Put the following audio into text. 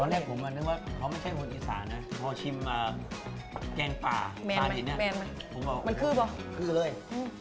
แล้วผมก็นึกว่าเขาไม่ใช่คนอีสานนะพอชิมแกนป่าสาดินมันคือบ่ะคือเลย